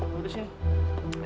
lo udah sih